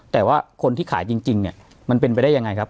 แต่ว่าคนที่ขายจริงเนี่ยมันเป็นไปได้ยังไงครับ